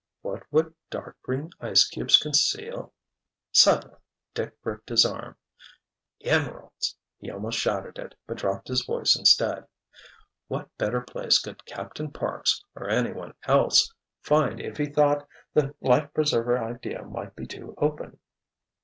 What would dark green ice cubes conceal?—— Suddenly Dick gripped his arm. "Emeralds!" he almost shouted it, but dropped his voice instead. "What better place could Captain Parks—or anyone else—find if he thought the life preserver idea might be too open?"